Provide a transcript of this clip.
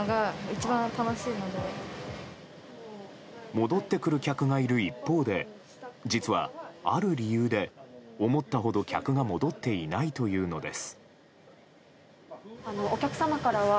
戻ってくる客がいる一方で実は、ある理由で思ったほど客が戻っていないというのです。